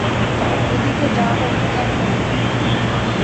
ঐদিকে যাওয়াটা উচিৎ হবে না আপনার।